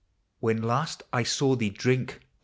" When last I saw thee drink!